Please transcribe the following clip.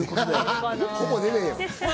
ほぼ出ねぇよ。